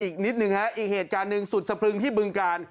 อีกนิดหนึ่งฮะอีกเหตุการณ์หนึ่งสุดสะพรึงที่บึงกาล